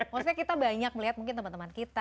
maksudnya kita banyak melihat mungkin teman teman kita